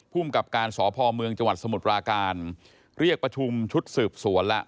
ผู้มกับการสอพอมเมืองจังหวัดสมุดประการเรียกประชุมชุดสืบสวนละ